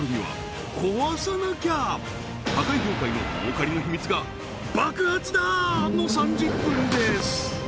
破壊業界の儲かりの秘密が爆発だ！の３０分です